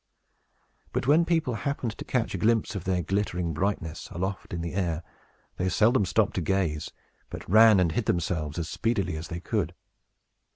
But when people happened to catch a glimpse of their glittering brightness, aloft in the air, they seldom stopped to gaze, but ran and hid themselves as speedily as they could.